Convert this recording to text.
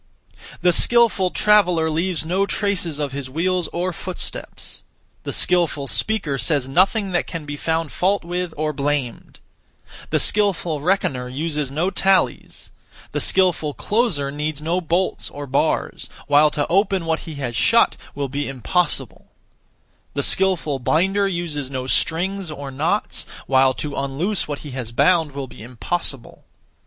The skilful traveller leaves no traces of his wheels or footsteps; the skilful speaker says nothing that can be found fault with or blamed; the skilful reckoner uses no tallies; the skilful closer needs no bolts or bars, while to open what he has shut will be impossible; the skilful binder uses no strings or knots, while to unloose what he has bound will be impossible.